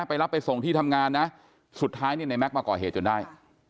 ไปรับไปส่งที่ทำงานนะสุดท้ายเนี่ยในแก๊กมาก่อเหตุจนได้